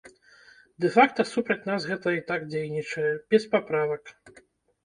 Дэ-факта супраць нас гэта і так дзейнічае, без паправак.